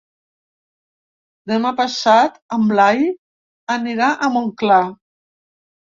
Demà passat en Blai anirà a Montclar.